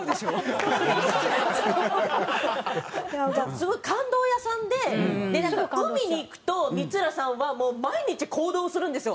すごい感動屋さんででなんか海に行くと光浦さんはもう毎日行動をするんですよ。